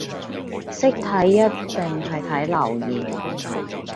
識睇一定係睇留言